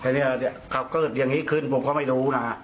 แต่เนี่ยเขาเกิดอย่างนี้ขึ้นผมก็ไม่รู้นะฮะ